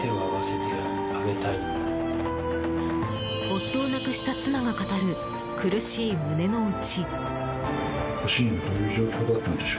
夫を亡くした妻が語る苦しい胸の内。